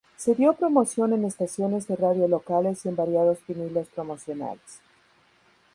Se dio promoción en estaciones de radio locales y en variados vinilos promocionales.